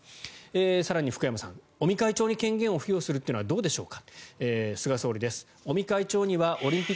更に福山さんは、尾身会長に権限を付与するというのはどうでしょうか？